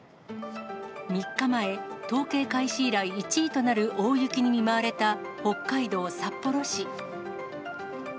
３日前、統計開始以来１位となる大雪に見舞われた北海道札幌市。